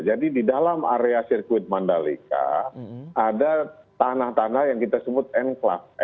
jadi di dalam area sirkuit mandalika ada tanah tanah yang kita sebut enclave